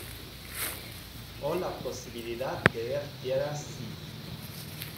o la posibilidad de ver tierra si ...